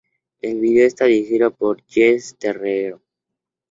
El video está dirigido por Jessy Terrero.